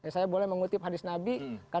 saya boleh mengutip hadis nabi